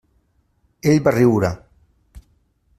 Ell va riure.